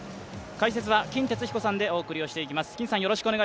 解説は金哲彦さんでお送りしていきます。